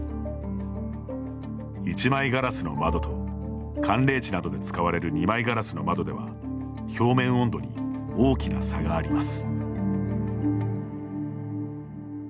１枚ガラスの窓と寒冷地などで使われる２枚ガラスの窓では表面温度に大きな差があります。